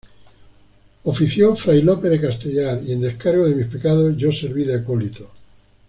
ofició Fray Lope Castellar, y en descargo de mis pecados, yo serví de acólito.